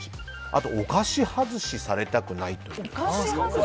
あとお菓子外しされたくないという。